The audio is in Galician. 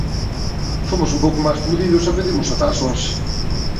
Fomos un pouco máis comedidos e pedimos ata as once.